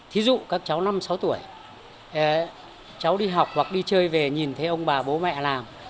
thí dụ các cháu năm sáu tuổi cháu đi học hoặc đi chơi về nhìn thấy ông bà bố mẹ làm